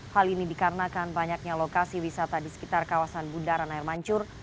hal ini dikarenakan banyaknya lokasi wisata di sekitar kawasan bundaran air mancur